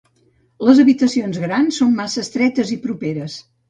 Les habitacions grans són massa estretes i properes.